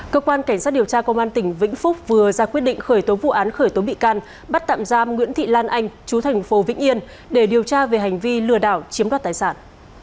cơ quan cảnh sát điều tra công an tỉnh vĩnh phúc vừa ra quyết định khởi tố vụ án khởi tố bị can bắt tạm giam nguyễn thị lan anh chú thành phố vĩnh yên để điều tra về hành vi lừa đảo chiếm đoạt tài sản